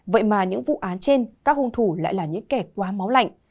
vậy mà những vụ án trên các hung thủ lại là những kẻ quá máu lạnh